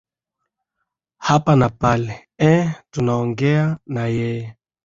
hapa na pale eeh tunaongea na yeye